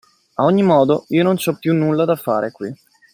A ogni modo io non ci ho più nulla da fare qui!